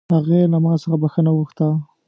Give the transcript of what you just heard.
هغې له ما څخه بښنه وغوښته